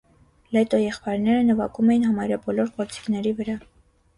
Լետո եղբայրները նվագում էին համարյա բոլոր գործիքների վրա։